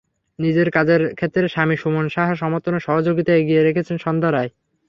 নিজের কাজের ক্ষেত্রে স্বামী সুমন সাহার সমর্থন এবং সহযোগিতাকে এগিয়ে রেখেছেন সন্ধ্যা রায়।